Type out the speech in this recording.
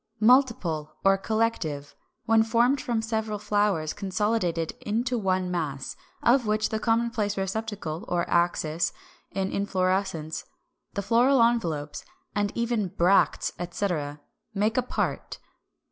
Multiple or Collective, when formed from several flowers consolidated into one mass, of which the common receptacle or axis of inflorescence, the floral envelopes, and even the bracts, etc., make a part.